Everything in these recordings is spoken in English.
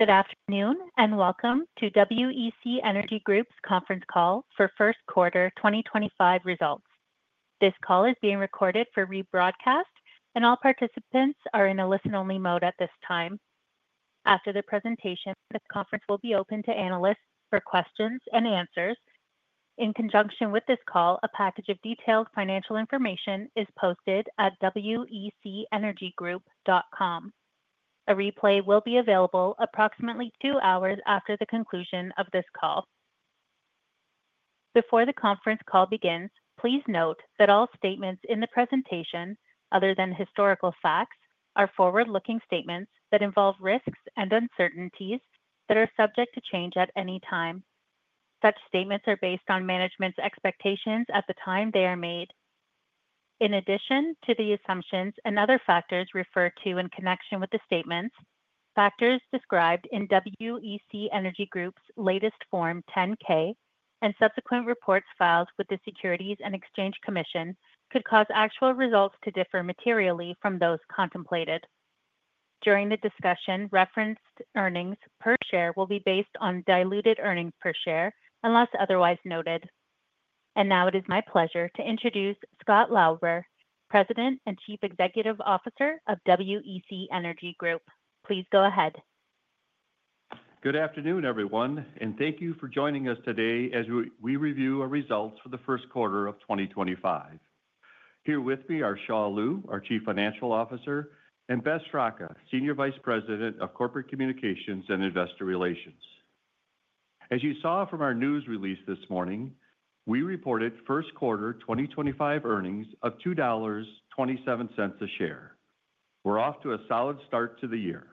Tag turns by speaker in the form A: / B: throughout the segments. A: Good afternoon and welcome to WEC Energy Group's Conference Call for First Quarter 2025 Results. This call is being recorded for rebroadcast, and all participants are in a listen-only mode at this time. After the presentation, this conference will be open to analysts for questions and answers. In conjunction with this call, a package of detailed financial information is posted at wecenergygroup.com. A replay will be available approximately two hours after the conclusion of this call. Before the conference call begins, please note that all statements in the presentation, other than historical facts, are forward-looking statements that involve risks and uncertainties that are subject to change at any time. Such statements are based on management's expectations at the time they are made. In addition to the assumptions and other factors referred to in connection with the statements, factors described in WEC Energy Group's latest Form 10-K and subsequent reports filed with the Securities and Exchange Commission could cause actual results to differ materially from those contemplated. During the discussion, referenced earnings per share will be based on diluted earnings per share unless otherwise noted. It is my pleasure to introduce Scott Lauber, President and Chief Executive Officer of WEC Energy Group. Please go ahead.
B: Good afternoon, everyone, and thank you for joining us today as we review our results for the first quarter of 2025. Here with me are Xia Liu, our Chief Financial Officer, and Beth Straka, Senior Vice President of Corporate Communications and Investor Relations. As you saw from our news release this morning, we reported first quarter 2025 earnings of $2.27 a share. We're off to a solid start to the year.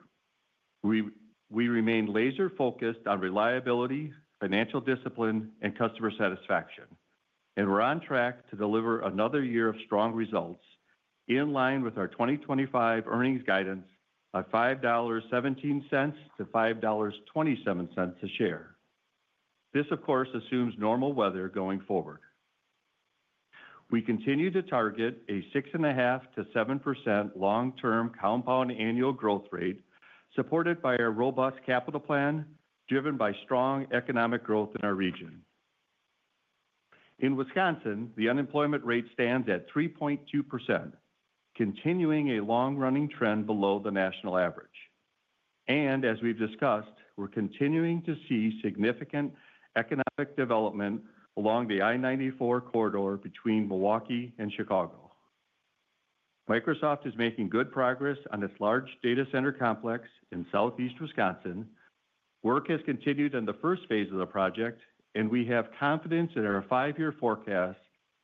B: We remain laser-focused on reliability, financial discipline, and customer satisfaction, and we're on track to deliver another year of strong results in line with our 2025 earnings guidance of $5.17-$5.27 a share. This, of course, assumes normal weather going forward. We continue to target a 6.5%-7% long-term compound annual growth rate, supported by our robust capital plan driven by strong economic growth in our region. In Wisconsin, the unemployment rate stands at 3.2%, continuing a long-running trend below the national average. And as we have discussed, we are continuing to see significant economic development along the I-94 corridor between Milwaukee and Chicago. Microsoft is making good progress on its large data center complex in southeast Wisconsin. Work has continued in the first phase of the project, and we have confidence in our five-year forecast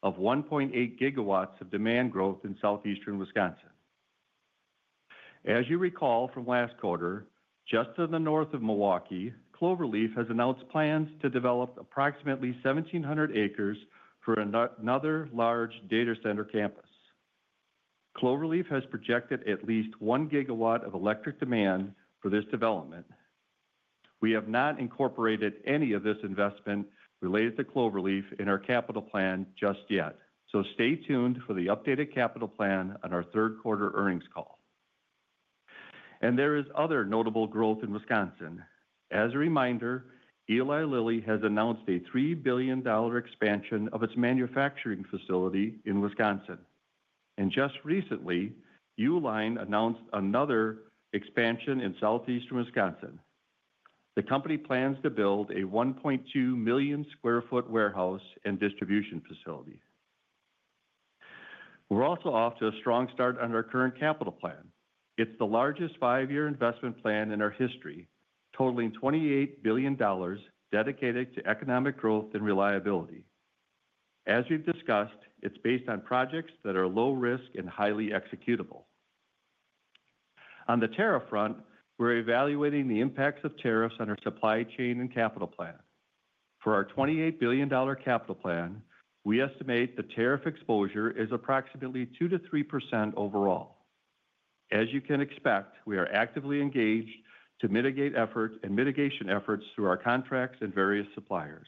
B: of 1.8 gigawatts of demand growth in southeastern Wisconsin. As you recall from last quarter, just to the north of Milwaukee, Cloverleaf has announced plans to develop approximately 1,700 acres for another large data center campus. Cloverleaf has projected at least 1 gigawatt of electric demand for this development. We have not incorporated any of this investment related to Cloverleaf in our capital plan just yet, so stay tuned for the updated capital plan on our third quarter earnings call. There is other notable growth in Wisconsin. As a reminder, Eli Lilly has announced a $3 billion expansion of its manufacturing facility in Wisconsin. Just recently, ULINE announced another expansion in southeastern Wisconsin. The company plans to build a 1.2 million sq ft warehouse and distribution facility. We're also off to a strong start on our current capital plan. It's the largest five-year investment plan in our history, totaling $28 billion dedicated to economic growth and reliability. As we've discussed, it's based on projects that are low risk and highly executable. On the tariff front, we're evaluating the impacts of tariffs on our supply chain and capital plan. For our $28 billion capital plan, we estimate the tariff exposure is approximately 2%-3% overall. As you can expect, we are actively engaged to mitigate efforts and mitigation efforts through our contracts and various suppliers.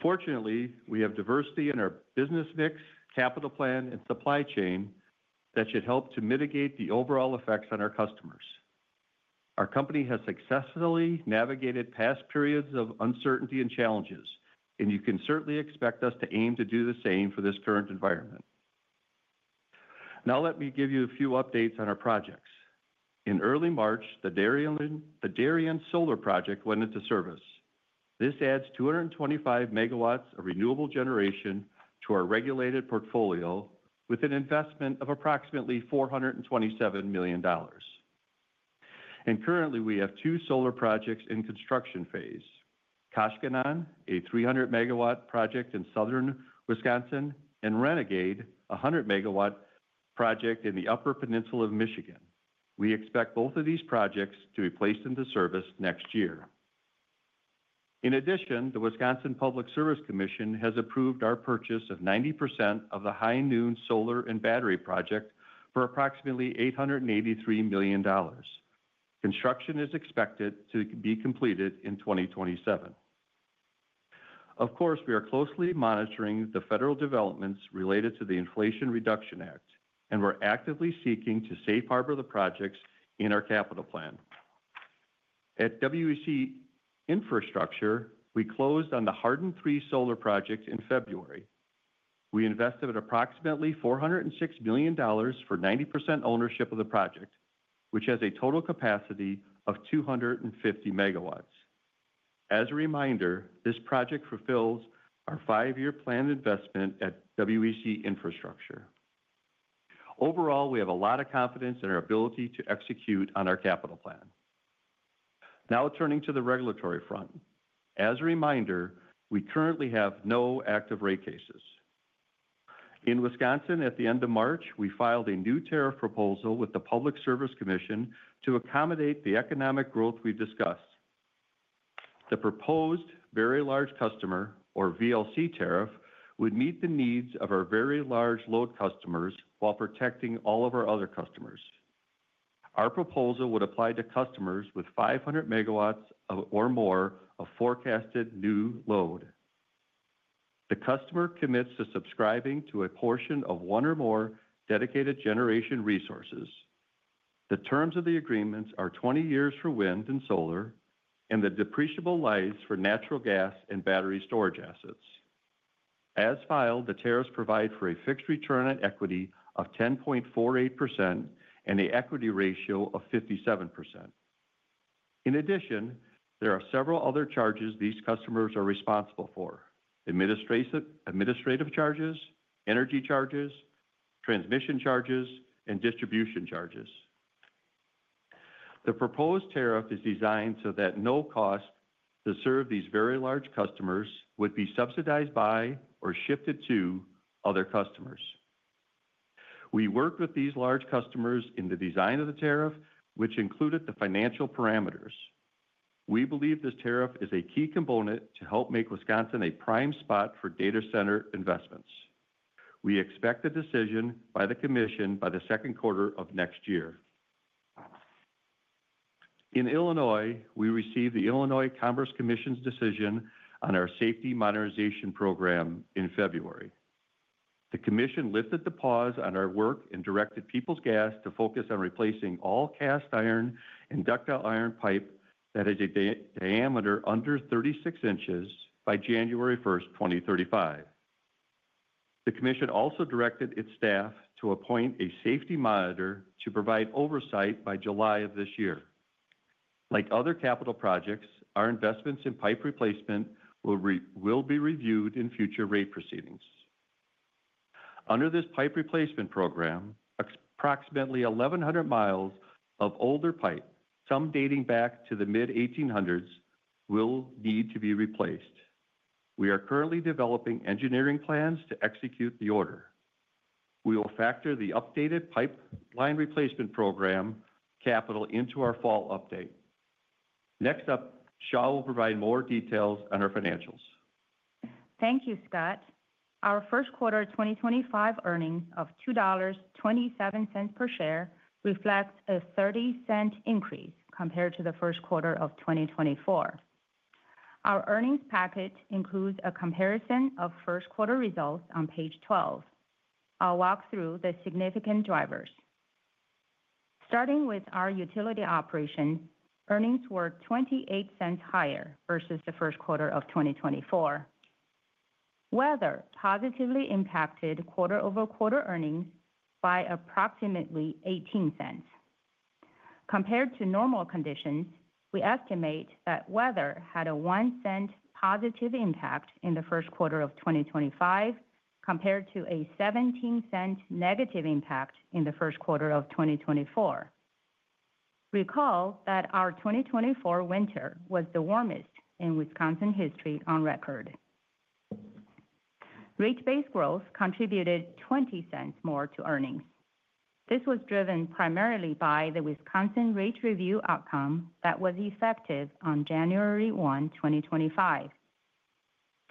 B: Fortunately, we have diversity in our business mix, capital plan, and supply chain that should help to mitigate the overall effects on our customers. Our company has successfully navigated past periods of uncertainty and challenges, and you can certainly expect us to aim to do the same for this current environment. Now let me give you a few updates on our projects. In early March, the Darien Solar Project went into service. This adds 225 megawatts of renewable generation to our regulated portfolio with an investment of approximately $427 million. Currently, we have two solar projects in construction phase: Kashkanan, a 300 megawatt project in southern Wisconsin, and Renegade, a 100 megawatt project in the Upper Peninsula of Michigan. We expect both of these projects to be placed into service next year. In addition, the Wisconsin Public Service Commission has approved our purchase of 90% of the Hyundai Solar and Battery project for approximately $883 million. Construction is expected to be completed in 2027. Of course, we are closely monitoring the federal developments related to the Inflation Reduction Act, and we're actively seeking to safe harbor the projects in our capital plan. At WEC Infrastructure, we closed on the Harden III Solar Project in February. We invested approximately $406 million for 90% ownership of the project, which has a total capacity of 250 megawatts. As a reminder, this project fulfills our five-year planned investment at WEC Infrastructure. Overall, we have a lot of confidence in our ability to execute on our capital plan. Now turning to the regulatory front. As a reminder, we currently have no active rate cases. In Wisconsin, at the end of March, we filed a new tariff proposal with the Public Service Commission to accommodate the economic growth we've discussed. The proposed very large customer, or VLC tariff, would meet the needs of our very large load customers while protecting all of our other customers. Our proposal would apply to customers with 500 megawatts or more of forecasted new load. The customer commits to subscribing to a portion of one or more dedicated generation resources. The terms of the agreements are 20 years for wind and solar, and the depreciable lives for natural gas and battery storage assets. As filed, the tariffs provide for a fixed return on equity of 10.48% and an equity ratio of 57%. In addition, there are several other charges these customers are responsible for: administrative charges, energy charges, transmission charges, and distribution charges. The proposed tariff is designed so that no cost to serve these very large customers would be subsidized by or shifted to other customers. We worked with these large customers in the design of the tariff, which included the financial parameters. We believe this tariff is a key component to help make Wisconsin a prime spot for data center investments. We expect the decision by the Commission by the second quarter of next year. In Illinois, we received the Illinois Commerce Commission's decision on our safety modernization program in February. The Commission lifted the pause on our work and directed Peoples Gas to focus on replacing all cast iron and ductile iron pipe that is a diameter under 36 inches by January 1, 2035. The Commission also directed its staff to appoint a safety monitor to provide oversight by July of this year. Like other capital projects, our investments in pipe replacement will be reviewed in future rate proceedings. Under this pipe replacement program, approximately 1,100 miles of older pipe, some dating back to the mid-1800s, will need to be replaced. We are currently developing engineering plans to execute the order. We will factor the updated pipeline replacement program capital into our fall update. Next up, Xia will provide more details on our financials.
C: Thank you, Scott. Our first quarter 2025 earnings of $2.27 per share reflects a $0.30 increase compared to the first quarter of 2024. Our earnings packet includes a comparison of first quarter results on page 12. I'll walk through the significant drivers. Starting with our utility operations, earnings were $0.28 higher versus the first quarter of 2024. Weather positively impacted quarter-over-quarter earnings by approximately $0.18. Compared to normal conditions, we estimate that weather had a $0.01 positive impact in the first quarter of 2025 compared to a $0.17 negative impact in the first quarter of 2024. Recall that our 2024 winter was the warmest in Wisconsin history on record. Rate-based growth contributed $0.20 more to earnings. This was driven primarily by the Wisconsin Rate Review outcome that was effective on January 1, 2025.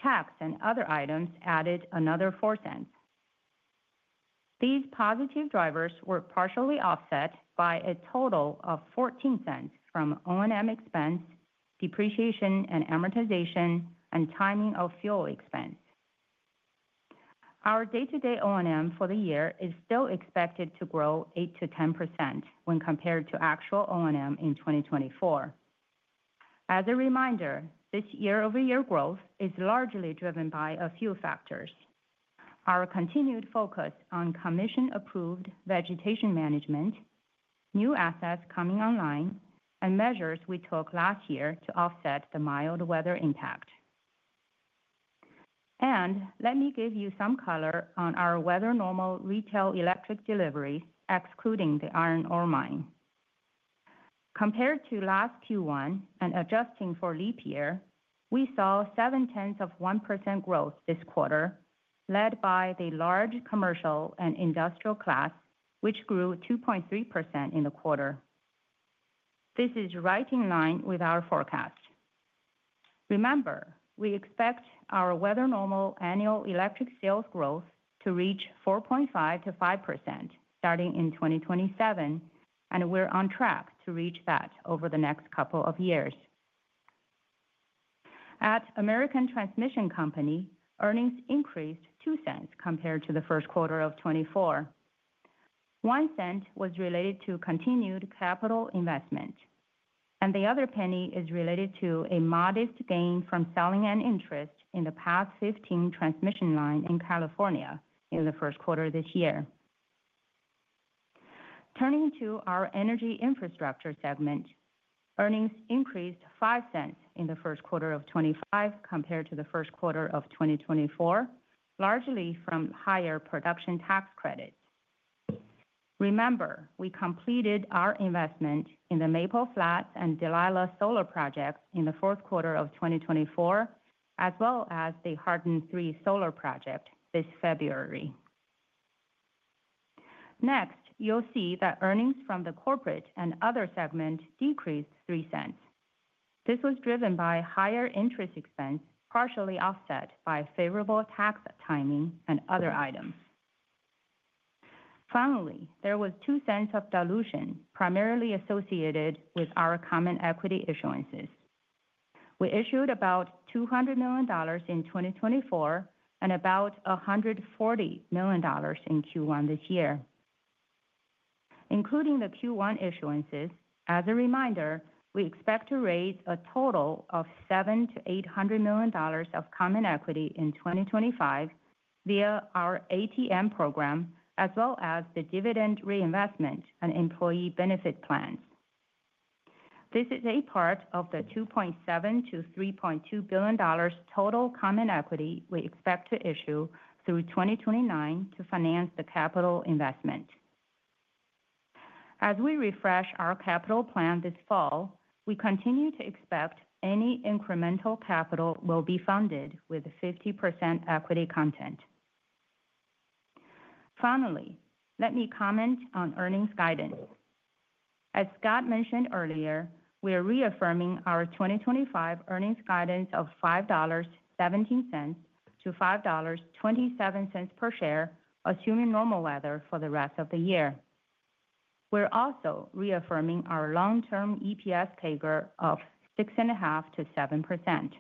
C: Tax and other items added another $0.04. These positive drivers were partially offset by a total of $0.14 from O&M expense, depreciation and amortization, and timing of fuel expense. Our day-to-day O&M for the year is still expected to grow 8%-10% when compared to actual O&M in 2024. As a reminder, this year-over-year growth is largely driven by a few factors. Our continued focus on Commission-approved vegetation management, new assets coming online, and measures we took last year to offset the mild weather impact. And let me give you some color on our weather normal retail electric deliveries, excluding the iron ore mine. Compared to last Q1 and adjusting for leap year, we saw 0.7% growth this quarter, led by the large commercial and industrial class, which grew 2.3% in a quarter. This is right in line with our forecast. Remember, we expect our weather normal annual electric sales growth to reach 4.5%-5% starting in 2027, and we're on track to reach that over the next couple of years. At American Transmission Company, earnings increased $0.02 compared to the first quarter of 2024. One cent was related to continued capital investment, and the other penny is related to a modest gain from selling an interest in the past 15 transmission lines in California in the first quarter this year. Turning to our energy infrastructure segment, earnings increased $0.05 in the first quarter of 2025 compared to the first quarter of 2024, largely from higher production tax credits. Remember, we completed our investment in the Maple Flats and Delilah Solar projects in the fourth quarter of 2024, as well as the Harden III Solar Project this February. Next, you'll see that earnings from the corporate and other segment decreased $0.03. This was driven by higher interest expense, partially offset by favorable tax timing and other items. Finally, there was $0.02 cents of dilution primarily associated with our common equity issuances. We issued about $200 million in 2024 and about $140 million in Q1 this year. Including the Q1 issuances, as a reminder, we expect to raise a total of $700 million - $800 million of common equity in 2025 via our ATM program, as well as the dividend reinvestment and employee benefit plans. This is a part of the $2.7-$3.2 billion total common equity we expect to issue through 2029 to finance the capital investment. As we refresh our capital plan this fall, we continue to expect any incremental capital will be funded with 50% equity content. Finally, let me comment on earnings guidance. As Scott mentioned earlier, we are reaffirming our 2025 earnings guidance of $5.17-$5.27 per share, assuming normal weather for the rest of the year. We're also reaffirming our long-term EPS CAGR of 6.5%-7%.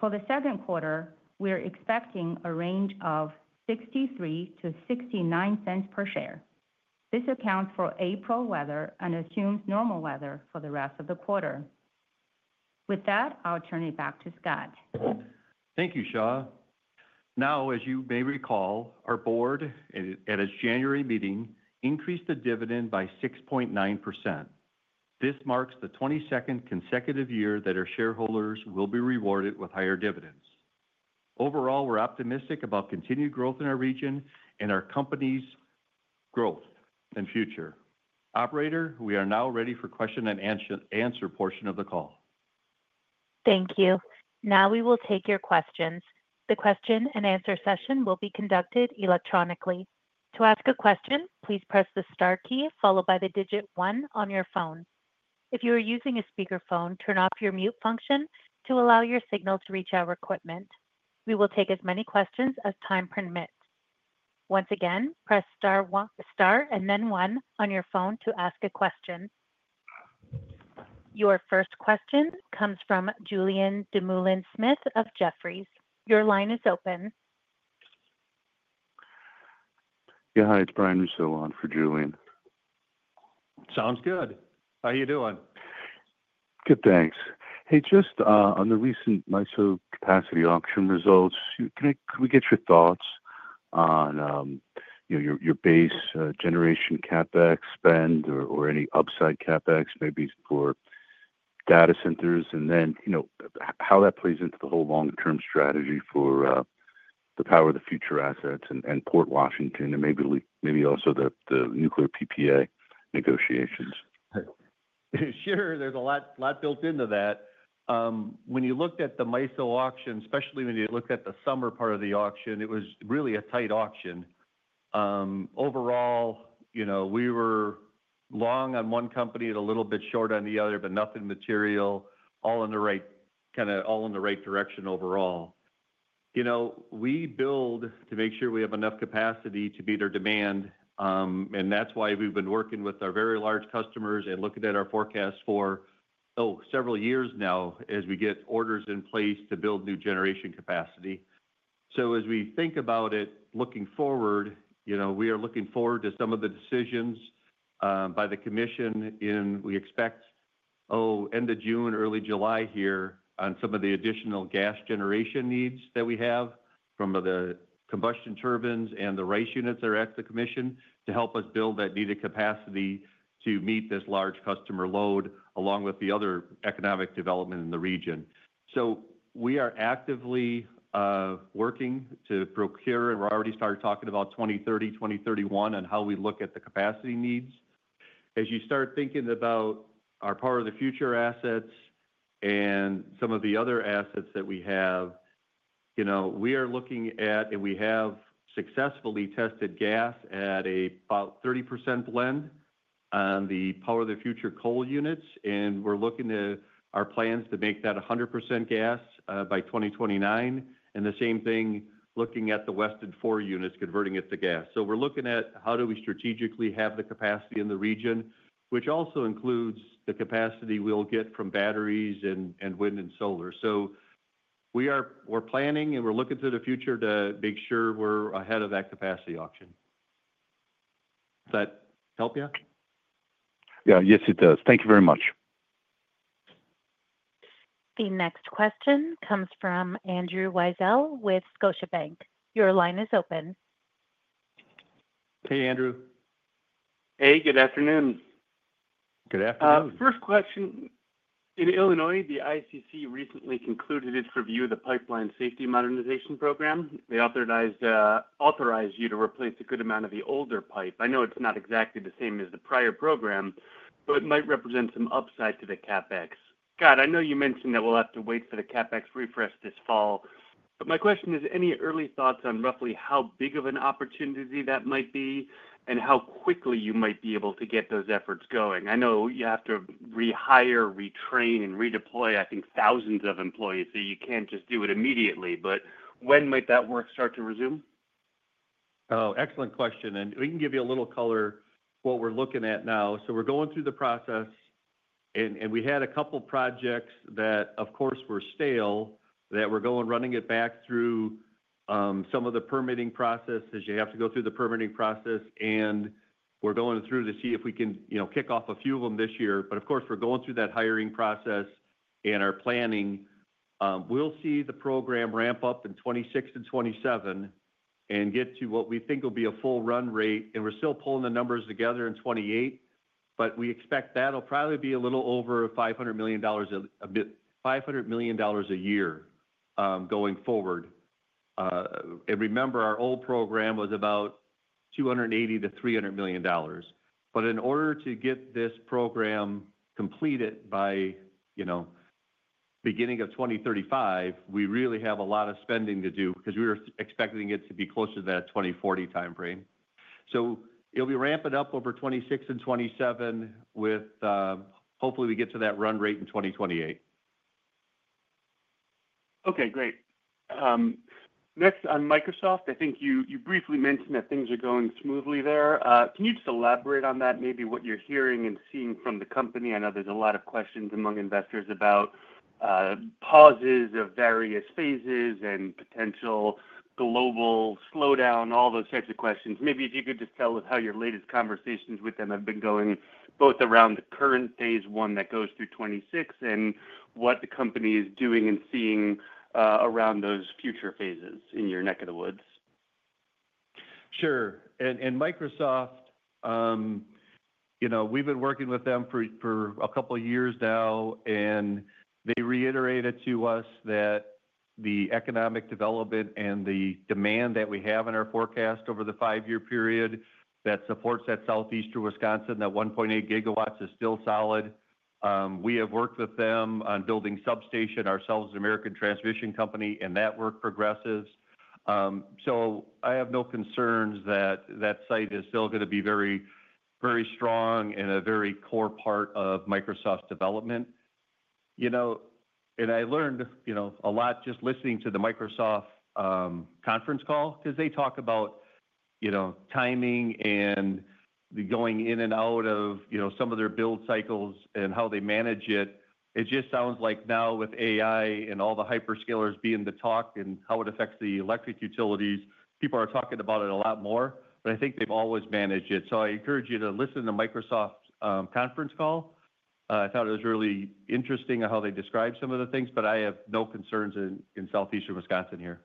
C: For the second quarter, we're expecting a range of $0.63-$0.69 per share. This accounts for April weather and assumes normal weather for the rest of the quarter. With that, I'll turn it back to Scott.
B: Thank you, Xia. Now, as you may recall, our board at its January meeting increased the dividend by 6.9%. This marks the 22nd consecutive year that our shareholders will be rewarded with higher dividends. Overall, we're optimistic about continued growth in our region and our company's growth and future. Operator, we are now ready for question and answer portion of the call.
A: Thank you. Now we will take your questions. The question and answer session will be conducted electronically. To ask a question, please press the star key followed by the digit one on your phone. If you are using a speakerphone, turn off your mute function to allow your signal to reach our equipment. We will take as many questions as time permits. Once again, press star and then one on your phone to ask a question. Your first question comes from Julian Demulin Smith of Jefferies. Your line is open.
D: Yeah, hi, it's Brian Russo on for Julian.
B: Sounds good. How are you doing?
D: Good, thanks. Hey, just on the recent MISO capacity auction results, could we get your thoughts on your base generation CapEx spend or any upside CapEx, maybe for data centers, and then how that plays into the whole long-term strategy for the Power of the Future assets and Port Washington, and maybe also the nuclear PPA negotiations?
B: Sure, there's a lot built into that. When you looked at the MISO auction, especially when you looked at the summer part of the auction, it was really a tight auction. Overall, we were long on one company and a little bit short on the other, but nothing material, all in the right kind of all in the right direction overall. We build to make sure we have enough capacity to meet our demand, and that's why we've been working with our very large customers and looking at our forecast for, oh, several years now as we get orders in place to build new generation capacity. As we think about it looking forward, we are looking forward to some of the decisions by the Commission, and we expect, oh, end of June, early July here on some of the additional gas generation needs that we have from the combustion turbines and the RICE units that are at the Commission to help us build that needed capacity to meet this large customer load along with the other economic development in the region. We are actively working to procure, and we've already started talking about 2030, 2031, and how we look at the capacity needs. As you start thinking about our Power of the Future assets and some of the other assets that we have, we are looking at, and we have successfully tested gas at about 30% blend on the Power of the Future coal units, and we're looking at our plans to make that 100% gas by 2029, and the same thing looking at the Weston 4 units converting it to gas. We are looking at how do we strategically have the capacity in the region, which also includes the capacity we'll get from batteries and wind and solar. We are planning, and we're looking to the future to make sure we're ahead of that capacity auction. Does that help you?
D: Yeah, yes, it does. Thank you very much.
A: The next question comes from Andrew Weisel with Scotiabank. Your line is open.
B: Hey, Andrew.
E: Hey, good afternoon.
B: Good afternoon.
E: First question. In Illinois, the ICC recently concluded its review of the Pipeline Safety Modernization Program. They authorized you to replace a good amount of the older pipe. I know it's not exactly the same as the prior program, but it might represent some upside to the CapEx. I know you mentioned that we'll have to wait for the CapEx refresh this fall, but my question is, any early thoughts on roughly how big of an opportunity that might be and how quickly you might be able to get those efforts going? I know you have to rehire, retrain, and redeploy, I think, thousands of employees, so you can't just do it immediately, but when might that work start to resume?
B: Oh, excellent question. We can give you a little color what we're looking at now. We're going through the process, and we had a couple of projects that, of course, were stale that we're running back through some of the permitting processes. You have to go through the permitting process, and we're going through to see if we can kick off a few of them this year. Of course, we're going through that hiring process and our planning. We'll see the program ramp up in 2026 and 2027 and get to what we think will be a full run rate. We're still pulling the numbers together in 2028, but we expect that'll probably be a little over $500 million a year going forward. Remember, our old program was about $280 million - $300 million. In order to get this program completed by the beginning of 2035, we really have a lot of spending to do because we were expecting it to be closer to that 2040 timeframe. It will be ramping up over 2026 and 2027, with hopefully we get to that run rate in 2028.
E: Okay, great. Next, on Microsoft, I think you briefly mentioned that things are going smoothly there. Can you just elaborate on that, maybe what you're hearing and seeing from the company? I know there's a lot of questions among investors about pauses of various phases and potential global slowdown, all those types of questions. Maybe if you could just tell us how your latest conversations with them have been going, both around the current phase one that goes through 2026 and what the company is doing and seeing around those future phases in your neck of the woods.
B: Sure. Microsoft, we've been working with them for a couple of years now, and they reiterated to us that the economic development and the demand that we have in our forecast over the five-year period that supports that southeastern Wisconsin, that 1.8 gigawatts is still solid. We have worked with them on building substation ourselves at American Transmission Company, and that work progresses. I have no concerns that that site is still going to be very strong and a very core part of Microsoft's development. I learned a lot just listening to the Microsoft conference call because they talk about timing and going in and out of some of their build cycles and how they manage it. It just sounds like now with AI and all the hyperscalers being the talk and how it affects the electric utilities, people are talking about it a lot more, but I think they've always managed it. I encourage you to listen to the Microsoft conference call. I thought it was really interesting how they described some of the things, but I have no concerns in southeastern Wisconsin here.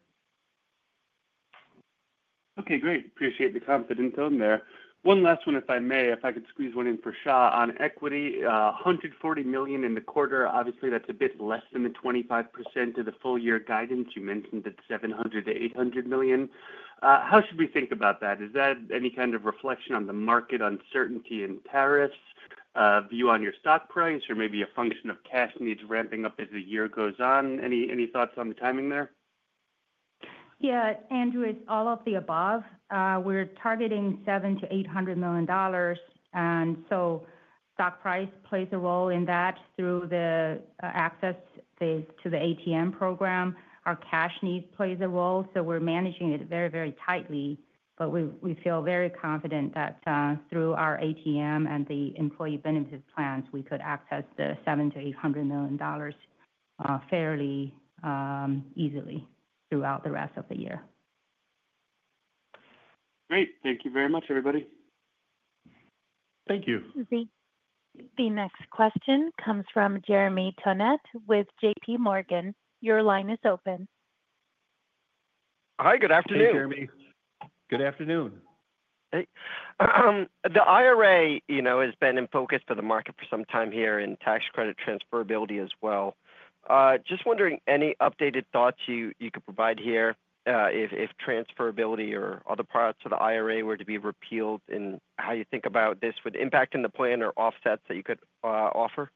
E: Okay, great. Appreciate the confidence on there. One last one, if I may, if I could squeeze one in for Xia on equity, $140 million in the quarter. Obviously, that's a bit less than the 25% of the full-year guidance. You mentioned that $700 million - $800 million. How should we think about that? Is that any kind of reflection on the market uncertainty in tariffs, view on your stock price, or maybe a function of cash needs ramping up as the year goes on? Any thoughts on the timing there?
C: Yeah, Andrew, it's all of the above. We're targeting $700 million - $800 million. Stock price plays a role in that through the access phase to the ATM program. Our cash needs play a role, so we're managing it very, very tightly, but we feel very confident that through our ATM and the employee benefits plans, we could access the $700 million - $800 million fairly easily throughout the rest of the year.
E: Great. Thank you very much, everybody.
B: Thank you.
A: The next question comes from Jeremy Tonet with J.P. Morgan. Your line is open.
F: Hi, good afternoon.
B: Hey, Jeremy. Good afternoon.
F: The IRA has been in focus for the market for some time here in tax credit transferability as well. Just wondering any updated thoughts you could provide here if transferability or other parts of the IRA were to be repealed and how you think about this with impact in the plan or offsets that you could offer.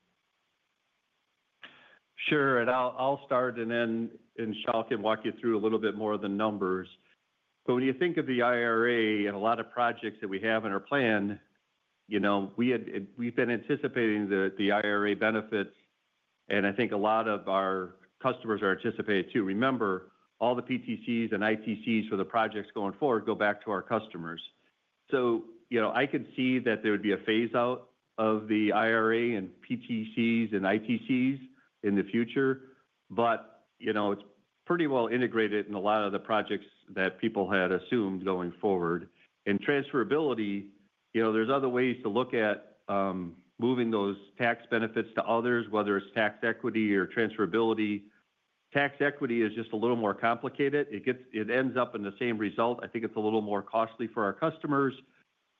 B: Sure. I'll start, and then Xia can walk you through a little bit more of the numbers. When you think of the IRA and a lot of projects that we have in our plan, we've been anticipating the IRA benefits, and I think a lot of our customers are anticipating too. Remember, all the PTCs and ITCs for the projects going forward go back to our customers. I could see that there would be a phase-out of the IRA and PTCs and ITCs in the future, but it's pretty well integrated in a lot of the projects that people had assumed going forward. Transferability, there's other ways to look at moving those tax benefits to others, whether it's tax equity or transferability. Tax equity is just a little more complicated. It ends up in the same result. I think it's a little more costly for our customers,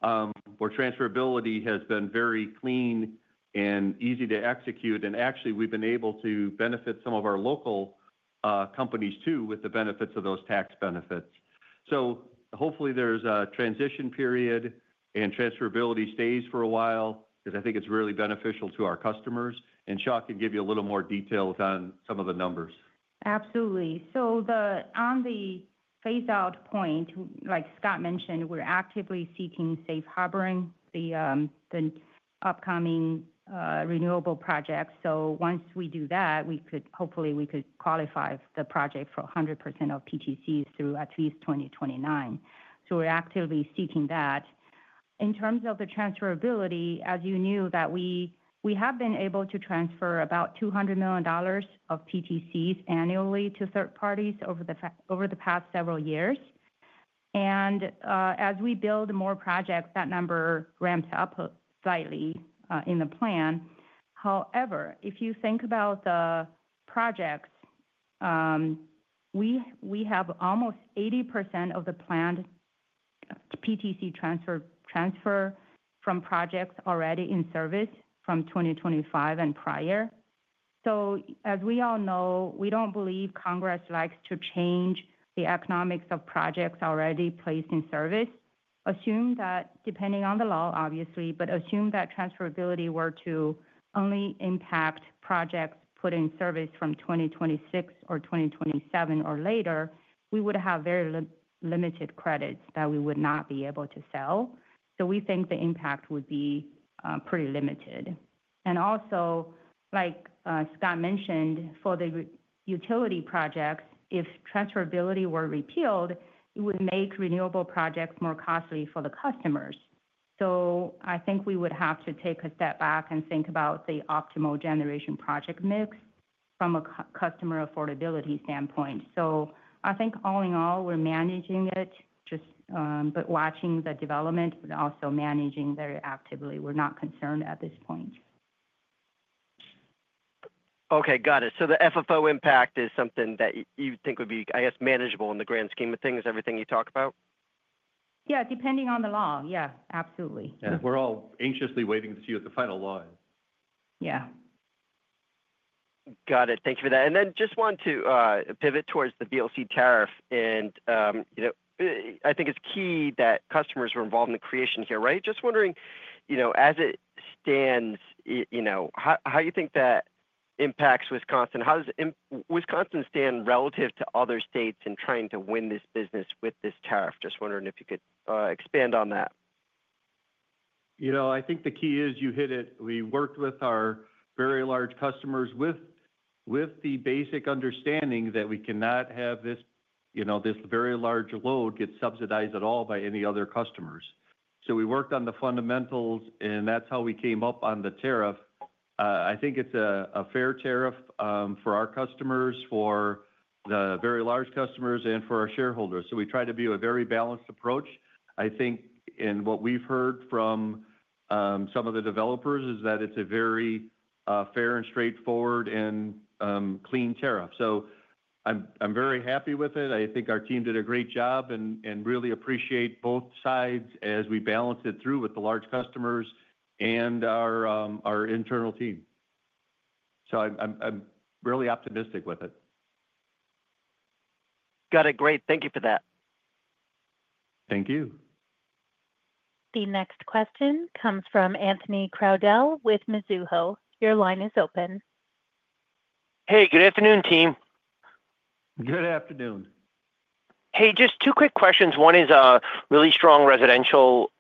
B: where transferability has been very clean and easy to execute. Actually, we've been able to benefit some of our local companies too with the benefits of those tax benefits. Hopefully, there's a transition period, and transferability stays for a while because I think it's really beneficial to our customers. Xia can give you a little more detail on some of the numbers.
C: Absolutely. On the phase-out point, like Scott mentioned, we're actively seeking safe harboring, the upcoming renewable projects. Once we do that, hopefully, we could qualify the project for 100% of PTCs through at least 2029. We're actively seeking that. In terms of the transferability, as you knew that we have been able to transfer about $200 million of PTCs annually to third parties over the past several years. As we build more projects, that number ramps up slightly in the plan. However, if you think about the projects, we have almost 80% of the planned PTC transfer from projects already in service from 2025 and prior. As we all know, we don't believe Congress likes to change the economics of projects already placed in service. Assume that, depending on the law, obviously, but assume that transferability were to only impact projects put in service from 2026 or 2027 or later, we would have very limited credits that we would not be able to sell. We think the impact would be pretty limited. Also, like Scott mentioned, for the utility projects, if transferability were repealed, it would make renewable projects more costly for the customers. I think we would have to take a step back and think about the optimal generation project mix from a customer affordability standpoint. I think all in all, we're managing it, but watching the development, but also managing very actively. We're not concerned at this point.
F: Okay, got it. So the FFO impact is something that you think would be, I guess, manageable in the grand scheme of things, everything you talk about?
C: Yeah, depending on the law, yeah, absolutely.
B: Yeah, we're all anxiously waiting to see what the final law is.
C: Yeah.
F: Got it. Thank you for that. I just want to pivot towards the VLC tariff. I think it's key that customers were involved in the creation here, right? Just wondering, as it stands, how do you think that impacts Wisconsin? How does Wisconsin stand relative to other states in trying to win this business with this tariff? Just wondering if you could expand on that.
B: I think the key is you hit it. We worked with our very large customers with the basic understanding that we cannot have this very large load get subsidized at all by any other customers. We worked on the fundamentals, and that's how we came up on the tariff. I think it's a fair tariff for our customers, for the very large customers, and for our shareholders. We try to be a very balanced approach. I think, and what we've heard from some of the developers is that it's a very fair and straightforward and clean tariff. I'm very happy with it. I think our team did a great job and really appreciate both sides as we balanced it through with the large customers and our internal team. I'm really optimistic with it.
F: Got it. Great. Thank you for that.
B: Thank you.
A: The next question comes from Anthony Crowdell with Mizuho. Your line is open.
G: Hey, good afternoon, team.
B: Good afternoon.
G: Hey, just two quick questions. One is a really strong residential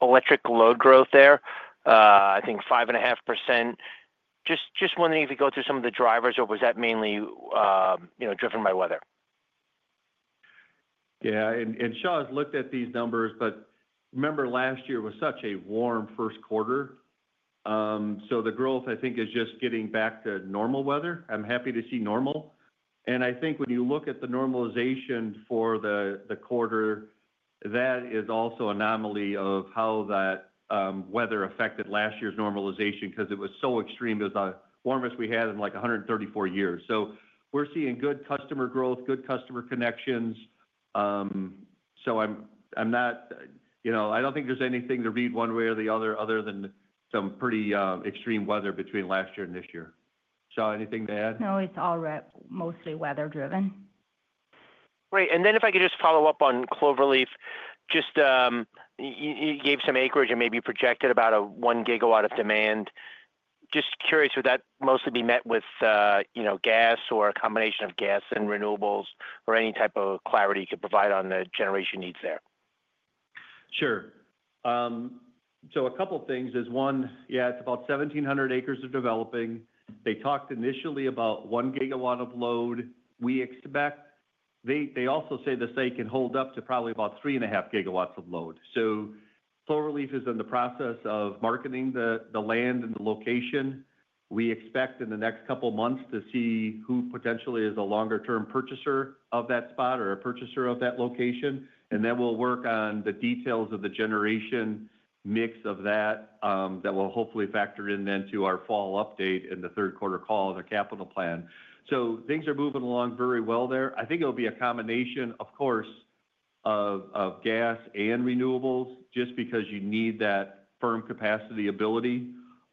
G: electric load growth there, I think 5.5%. Just wondering if you could go through some of the drivers, or was that mainly driven by weather?
B: Yeah. Xia has looked at these numbers, but remember last year was such a warm first quarter. The growth, I think, is just getting back to normal weather. I'm happy to see normal. I think when you look at the normalization for the quarter, that is also an anomaly of how that weather affected last year's normalization because it was so extreme. It was the warmest we had in like 134 years. We're seeing good customer growth, good customer connections. I don't think there's anything to read one way or the other other than some pretty extreme weather between last year and this year. Xia, anything to add?
C: No, it's all mostly weather-driven.
G: Great. If I could just follow up on Cloverleaf, you gave some acreage and maybe projected about a one gigawatt of demand. Just curious, would that mostly be met with gas or a combination of gas and renewables or any type of clarity you could provide on the generation needs there?
B: Sure. A couple of things is one, yeah, it's about 1,700 acres of developing. They talked initially about one gigawatt of load we expect. They also say that they can hold up to probably about 3.5 gigawatts of load. Cloverleaf is in the process of marketing the land and the location. We expect in the next couple of months to see who potentially is a longer-term purchaser of that spot or a purchaser of that location. We will work on the details of the generation mix of that that will hopefully factor in then to our fall update in the third quarter call of the capital plan. Things are moving along very well there. I think it'll be a combination, of course, of gas and renewables just because you need that firm capacity ability.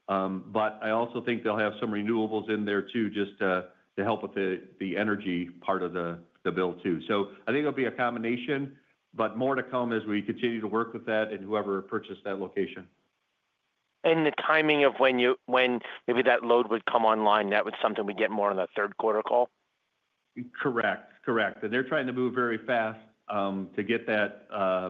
B: But I also think they'll have some renewables in there too just to help with the energy part of the bill too. I think it'll be a combination, but more to come as we continue to work with that and whoever purchased that location.
G: The timing of when maybe that load would come online, that was something we'd get more on the third quarter call?
B: Correct. Correct. They are trying to move very fast to get that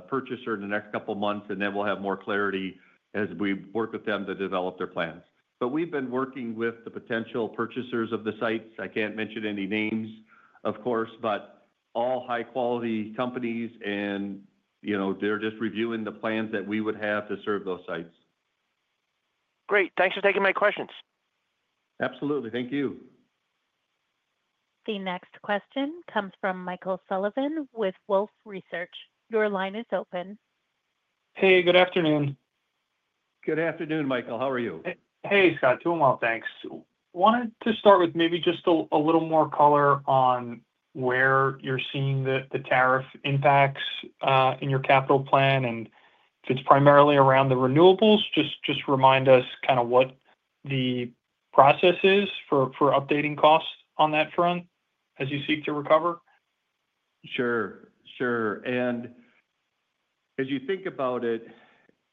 B: purchaser in the next couple of months, and then we will have more clarity as we work with them to develop their plans. We have been working with the potential purchasers of the sites. I cannot mention any names, of course, but all high-quality companies, and they are just reviewing the plans that we would have to serve those sites.
G: Great. Thanks for taking my questions.
B: Absolutely. Thank you.
A: The next question comes from Michael Sullivan with Wolfe Research. Your line is open.
H: Hey, good afternoon.
B: Good afternoon, Michael. How are you?
H: Hey, Scott. Doing well, thanks. Wanted to start with maybe just a little more color on where you're seeing the tariff impacts in your capital plan, and if it's primarily around the renewables, just remind us kind of what the process is for updating costs on that front as you seek to recover.
B: Sure. Sure. As you think about it,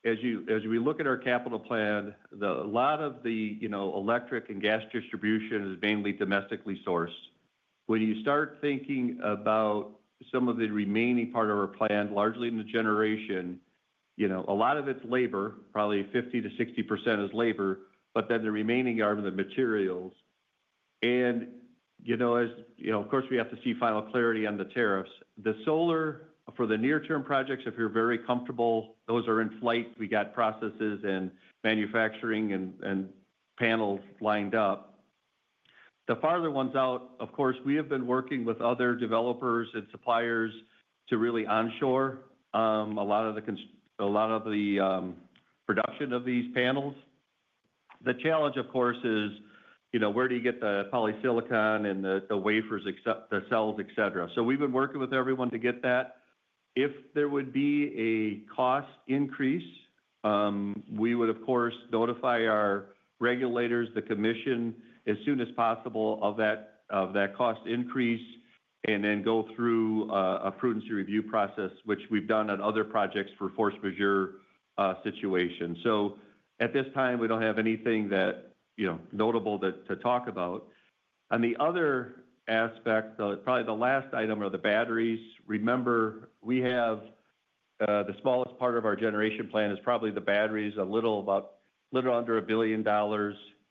B: as we look at our capital plan, a lot of the electric and gas distribution is mainly domestically sourced. When you start thinking about some of the remaining part of our plan, largely in the generation, a lot of it's labor, probably 50%-60% is labor, but then the remaining are the materials. Of course, we have to see final clarity on the tariffs. The solar for the near-term projects, if you're very comfortable, those are in flight. We got processes and manufacturing and panels lined up. The farther ones out, of course, we have been working with other developers and suppliers to really onshore a lot of the production of these panels. The challenge, of course, is where do you get the polysilicon and the wafers, the cells, etc.? We have been working with everyone to get that. If there would be a cost increase, we would, of course, notify our regulators, the commission, as soon as possible of that cost increase and then go through a prudency review process, which we've done on other projects for Force Majeure situations. At this time, we don't have anything notable to talk about. On the other aspect, probably the last item are the batteries. Remember, the smallest part of our generation plan is probably the batteries, a little under $1 billion.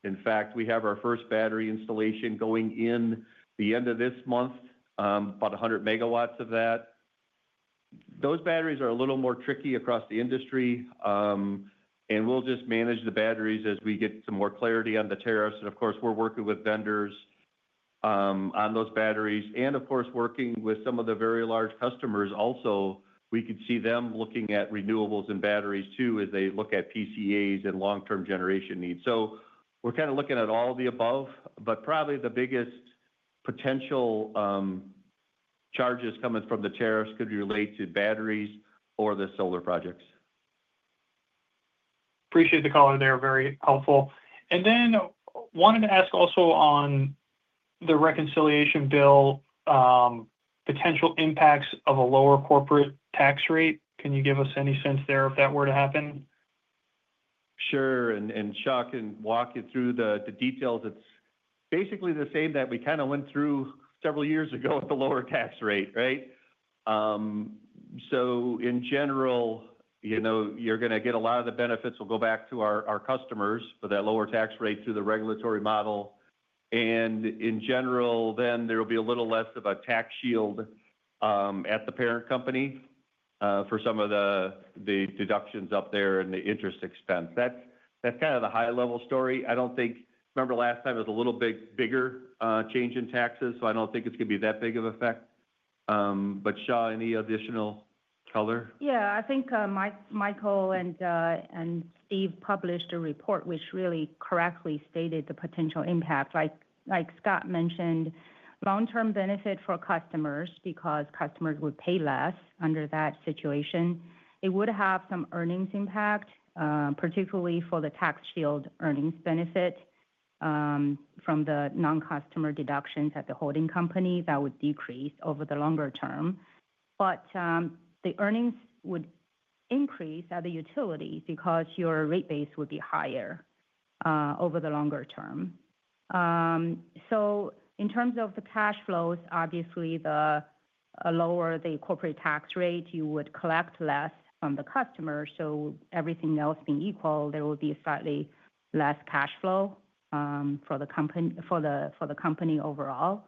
B: In fact, we have our first battery installation going in the end of this month, about 100 megawatts of that. Those batteries are a little more tricky across the industry, and we'll just manage the batteries as we get some more clarity on the tariffs. Of course, we're working with vendors on those batteries. Of course, working with some of the very large customers also, we could see them looking at renewables and batteries too as they look at PCAs and long-term generation needs. We are kind of looking at all of the above, but probably the biggest potential charges coming from the tariffs could relate to batteries or the solar projects.
H: Appreciate the call in there. Very helpful. I wanted to ask also on the reconciliation bill, potential impacts of a lower corporate tax rate. Can you give us any sense there if that were to happen?
B: Sure. Xia can walk you through the details. It's basically the same that we kind of went through several years ago with the lower tax rate, right? In general, you are going to get a lot of the benefits will go back to our customers for that lower tax rate through the regulatory model. In general, then there will be a little less of a tax shield at the parent company for some of the deductions up there and the interest expense. That is kind of the high-level story. I do not think, remember last time it was a little bigger change in taxes, so I do not think it is going to be that big of an effect. Xia, any additional color?
C: Yeah. I think Michael and Steve published a report which really correctly stated the potential impact. Like Scott mentioned, long-term benefit for customers because customers would pay less under that situation. It would have some earnings impact, particularly for the tax shield earnings benefit from the non-customer deductions at the holding company that would decrease over the longer term. The earnings would increase at the utility because your rate base would be higher over the longer term. In terms of the cash flows, obviously, the lower the corporate tax rate, you would collect less from the customer. Everything else being equal, there would be slightly less cash flow for the company overall.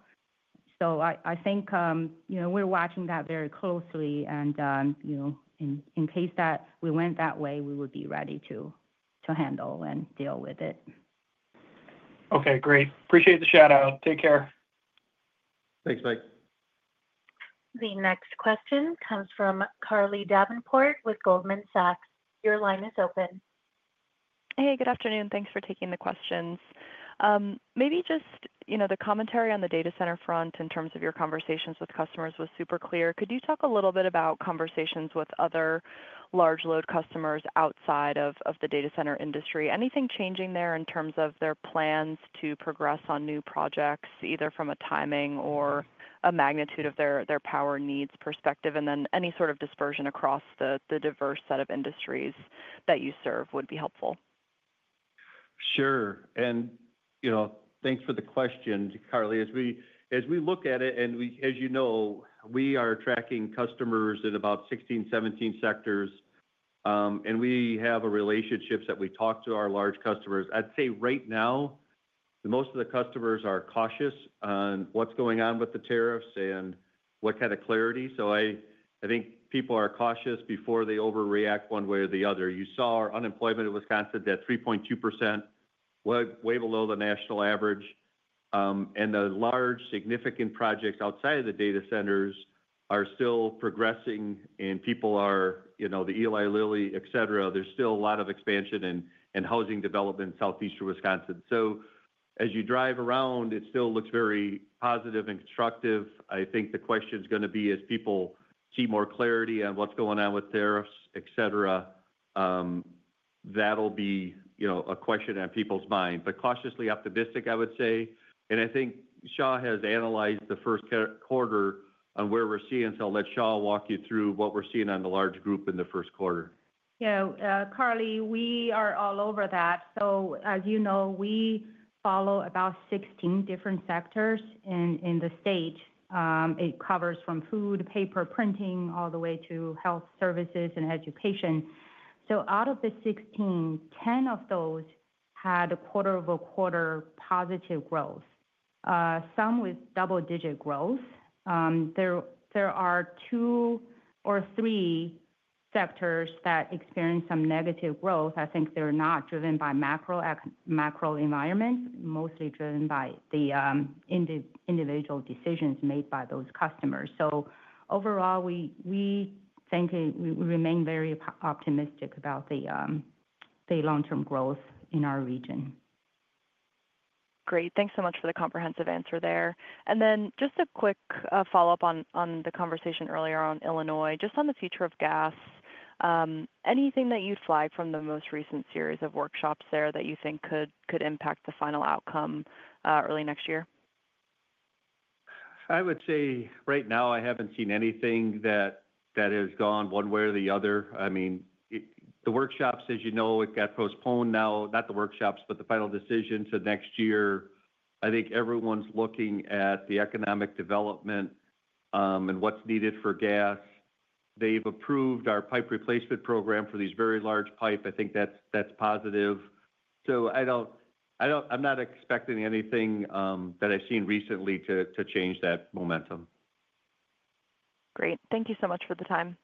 C: I think we're watching that very closely. In case that we went that way, we would be ready to handle and deal with it.
H: Okay. Great. Appreciate the shout-out. Take care.
B: Thanks, Michael.
A: The next question comes from Carly Davenport with Goldman Sachs. Your line is open.
I: Hey, good afternoon. Thanks for taking the questions. Maybe just the commentary on the data center front in terms of your conversations with customers was super clear. Could you talk a little bit about conversations with other large load customers outside of the data center industry? Anything changing there in terms of their plans to progress on new projects, either from a timing or a magnitude of their power needs perspective? Any sort of dispersion across the diverse set of industries that you serve would be helpful.
B: Sure. Thanks for the question, Carly. As we look at it, and as you know, we are tracking customers in about 16, 17 sectors, and we have relationships that we talk to our large customers. I'd say right now, most of the customers are cautious on what's going on with the tariffs and what kind of clarity. I think people are cautious before they overreact one way or the other. You saw our unemployment in Wisconsin at 3.2%, way below the national average. The large, significant projects outside of the data centers are still progressing, and people are the Eli Lilly, etc. There's still a lot of expansion and housing development in southeastern Wisconsin. As you drive around, it still looks very positive and constructive. I think the question's going to be as people see more clarity on what's going on with tariffs, etc., that'll be a question on people's mind. Cautiously optimistic, I would say. I think Xia has analyzed the first quarter on where we're seeing. I'll let Xia walk you through what we're seeing on the large group in the first quarter.
C: Yeah. Carly, we are all over that. As you know, we follow about 16 different sectors in the state. It covers from food, paper, printing, all the way to health services and education. Out of the 16, 10 of those had a quarter-over-quarter positive growth, some with double-digit growth. There are two or three sectors that experience some negative growth. I think they're not driven by macro environment, mostly driven by the individual decisions made by those customers. Overall, we think we remain very optimistic about the long-term growth in our region.
I: Great. Thanks so much for the comprehensive answer there. Just a quick follow-up on the conversation earlier on Illinois, just on the future of gas. Anything that you'd flag from the most recent series of workshops there that you think could impact the final outcome early next year?
B: I would say right now, I haven't seen anything that has gone one way or the other. I mean, the workshops, as you know, got postponed now, not the workshops, but the final decision to next year. I think everyone's looking at the economic development and what's needed for gas. They've approved our pipe replacement program for these very large pipe. I think that's positive. I'm not expecting anything that I've seen recently to change that momentum.
I: Great. Thank you so much for the time.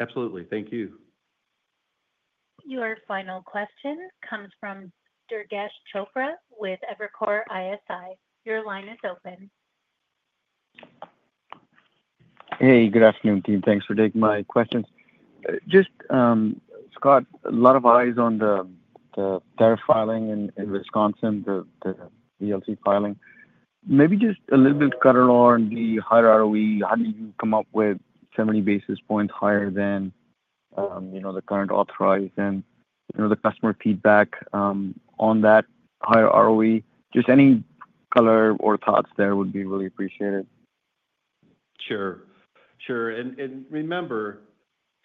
B: Absolutely. Thank you.
A: Your final question comes from Durgesh Chopra with Evercore ISI. Your line is open.
J: Hey, good afternoon, team. Thanks for taking my questions. Just, Scott, a lot of eyes on the tariff filing in Wisconsin, the VLC filing. Maybe just a little bit to kind of lower the higher ROE, how do you come up with 70 basis points higher than the current authorized and the customer feedback on that higher ROE? Just any color or thoughts there would be really appreciated.
B: Sure. Sure. Remember,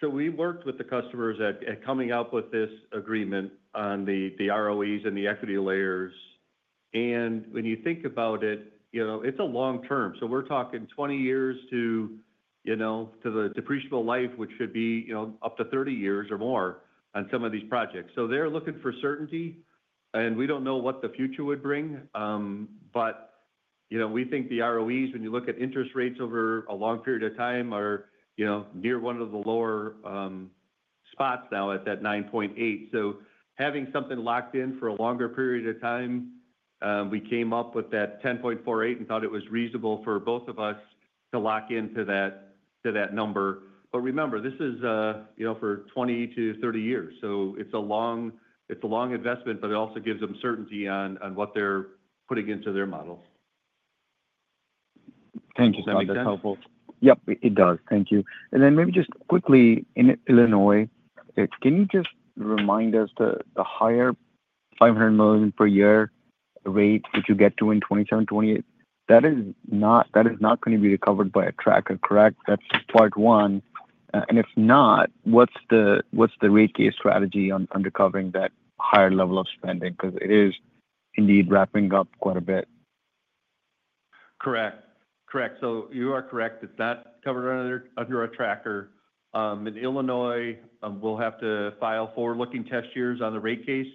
B: we worked with the customers at coming up with this agreement on the ROEs and the equity layers. When you think about it, it's a long term. We are talking 20 years to the depreciable life, which should be up to 30 years or more on some of these projects. They are looking for certainty, and we do not know what the future would bring. We think the ROEs, when you look at interest rates over a long period of time, are near one of the lower spots now at that 9.8. Having something locked in for a longer period of time, we came up with that 10.48 and thought it was reasonable for both of us to lock into that number. Remember, this is for 20 years - 30 years. It's a long investment, but it also gives them certainty on what they're putting into their models.
J: Thank you.
B: That makes sense. Sounds like that's helpful.
J: Yep, it does. Thank you. Maybe just quickly, in Illinois, can you just remind us the higher $500 million per year rate that you get to in 2027-2028? That is not going to be recovered by a tracker, correct? That is part one. If not, what is the rate case strategy on recovering that higher level of spending? Because it is indeed wrapping up quite a bit.
B: Correct. Correct. You are correct. It's not covered under a tracker. In Illinois, we'll have to file forward-looking test years on the rate case.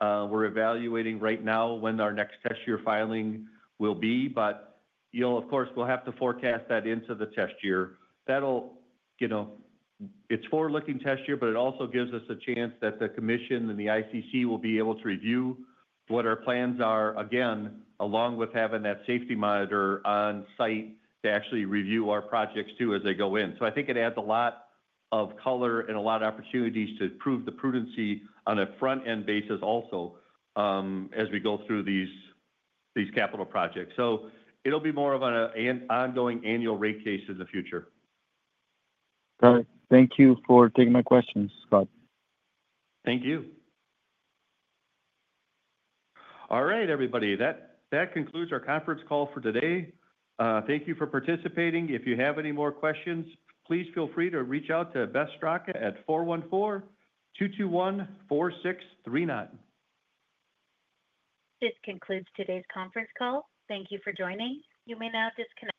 B: We're evaluating right now when our next test year filing will be. Of course, we'll have to forecast that into the test year. It's forward-looking test year, but it also gives us a chance that the commission and the ICC will be able to review what our plans are, again, along with having that safety monitor on site to actually review our projects too as they go in. I think it adds a lot of color and a lot of opportunities to prove the prudency on a front-end basis also as we go through these capital projects. It'll be more of an ongoing annual rate case in the future.
J: Got it. Thank you for taking my questions, Scott.
B: Thank you. All right, everybody. That concludes our conference call for today. Thank you for participating. If you have any more questions, please feel free to reach out to Beth Straka at 414-221-4639.
A: This concludes today's conference call. Thank you for joining. You may now disconnect.